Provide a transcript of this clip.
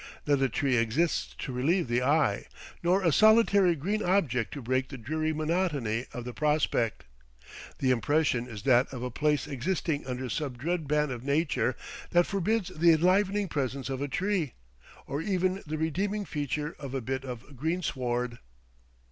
Not a tree exists to relieve the eye, nor a solitary green object to break the dreary monotony of the prospect; the impression is that of a place existing under some dread ban of nature that forbids the enlivening presence of a tree, or even the redeeming feature of a bit of greensward.